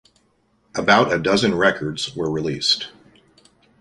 About a dozen records were released.